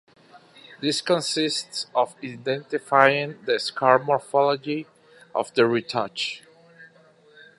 This consists of identifying the scar morphology of the retouch.